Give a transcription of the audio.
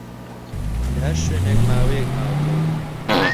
لە ھەر شوێنێک ماوەیەک ماوەتەوە